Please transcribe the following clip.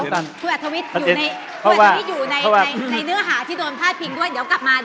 คุณอัธวิทย์อยู่ในเนื้อหาที่โดนพาดพิงด้วยเดี๋ยวกลับมา